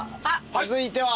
続いては。